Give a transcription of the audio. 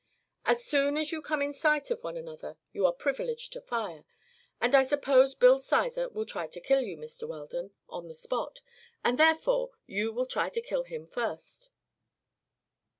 As soon as you come in sight of one another you are privileged to fire, and I suppose Bill Sizer will try to kill you, Mr. Weldon, on the spot, and therefore you will try to kill him first."